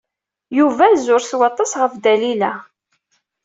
Yuba zur s waṭas ɣef Dalila.